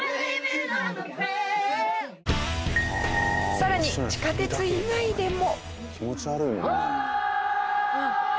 さらに地下鉄以外でも。